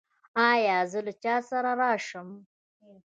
ایا زه له چا سره راشم؟